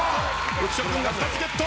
浮所君２つゲット。